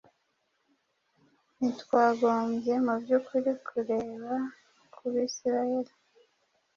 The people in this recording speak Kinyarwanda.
Ntitwagombye mu by’ukuri kureba ku Bisirayeli